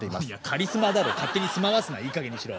カリスマだろ勝手に住まわすないい加減にしろ。